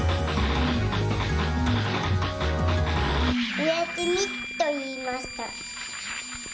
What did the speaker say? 「おやすみ」といいました。